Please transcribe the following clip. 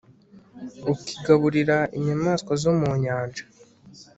ukigaburira inyamaswa zo mu nyanja